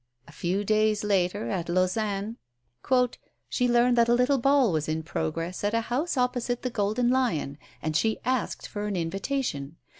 A few days later, at Lausanne, "she learned that a little ball was in progress at a house opposite the 'Golden Lion,' and she asked for an invitation.